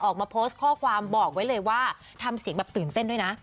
ออกมาโพสต์ข้อความบอกไว้เลยว่าทำเสียงแบบตื่นเต้นด้วยนะ